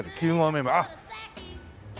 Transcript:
あっ。